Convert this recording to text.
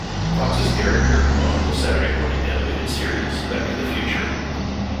Fox's character, on the Saturday morning animated series, "Back to the Future".